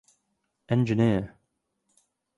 Engr.